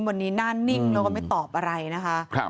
วันนี้หน้านิ่งแล้วก็ไม่ตอบอะไรนะคะ